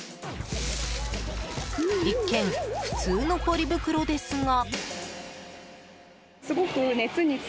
一見、普通のポリ袋ですが。